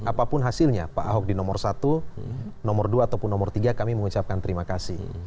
apapun hasilnya pak ahok di nomor satu nomor dua ataupun nomor tiga kami mengucapkan terima kasih